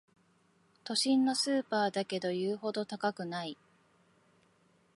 都心のスーパーだけど言うほど高くない